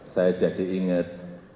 saya jadi ingat